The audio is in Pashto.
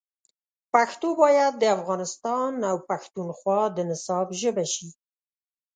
پښتو باید د افغانستان او پښتونخوا د نصاب ژبه شي.